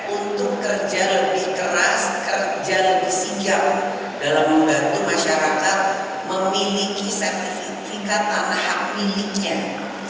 untuk kerja lebih keras kerja lebih sigap dalam membantu masyarakat memiliki sertifikat tanah hak miliknya